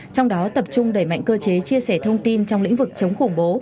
trong đó tập trung đẩy mạnh cơ chế chia sẻ thông tin trong lĩnh vực chống khủng bố